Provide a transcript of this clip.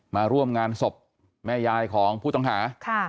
มาร่วมงานศพแม่ยายของผู้ต้องหา